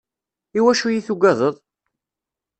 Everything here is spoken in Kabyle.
I wacu iyi-tugadeḍ?